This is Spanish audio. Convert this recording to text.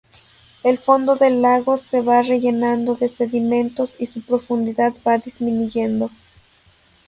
El fondo del lago se va rellenando de sedimentos y su profundidad va disminuyendo.